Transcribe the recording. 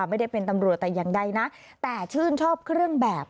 ไม่ได้เป็นตำรวจแต่อย่างใดนะแต่ชื่นชอบเครื่องแบบ